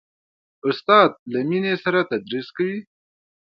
استاد له مینې سره تدریس کوي.